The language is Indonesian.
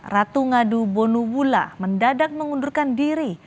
ratu ngadu bonu wula mendadak mengundurkan diri